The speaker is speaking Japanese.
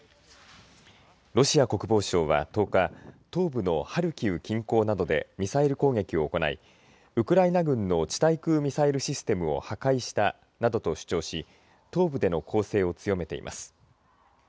ロシア国防省は１０日東部のハルキウ近郊などでミサイル攻撃を行いウクライナ軍の地対空ミサイルシステムを破壊したなどと主張し東部での攻勢を強めています。